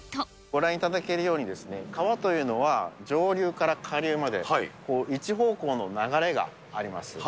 ご覧いただけるように、川というのは、上流から下流まで、一方向の流れがあります。